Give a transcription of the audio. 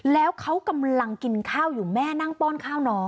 แล้วเขากำลังกินข้าวอยู่แม่นั่งป้อนข้าวน้อง